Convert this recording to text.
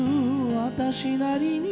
私なりに」